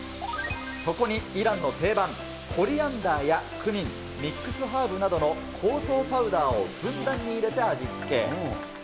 そこにイランの定番、コリアンダーやクミン、ミックスハーブなどの香草パウダーをふんだんに入れて味付け。